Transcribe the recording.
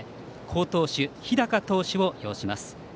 好投手、日高投手を擁します。